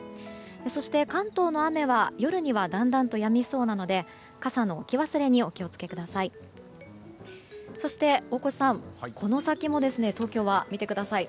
そして、関東の雨は、夜にはだんだんとやみそうなので傘の置き忘れにお気を付けください。